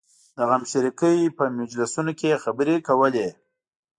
د غمشریکۍ په مجلسونو کې یې خبرې کولې.